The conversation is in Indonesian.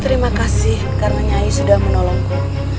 terima kasih karena nyayu sudah menolongku